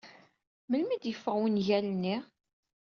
Melmi ay d-yeffeɣ wungal-nni?